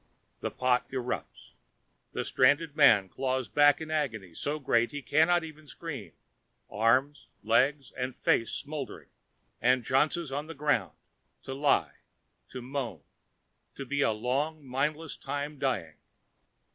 The pot erupts. The stranded man claws back in agony so great he cannot even scream, arms, legs and face smoldering, and jounces on the ground, to lie, to moan, to be a long mindless time dying.